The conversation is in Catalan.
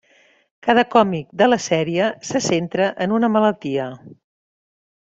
Cada còmic de la sèrie se centra en una malaltia.